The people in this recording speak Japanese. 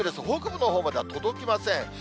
北部のほうまでは届きません。